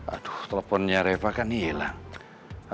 aduh teleponnya reva kan hilang